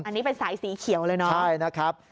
อันนี้เป็นสายสีเขียวเลยเนาะใช่นะครับ